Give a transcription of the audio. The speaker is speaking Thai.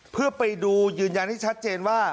เพื่อไปดูยืนยันให้ชัดเจนว่า